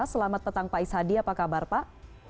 selamat petang pak is hadi apa kabar pak